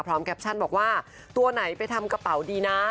แคปชั่นบอกว่าตัวไหนไปทำกระเป๋าดีนะ